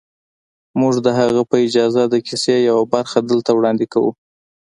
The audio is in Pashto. موږ د هغه په اجازه د کیسې یوه برخه دلته وړاندې کوو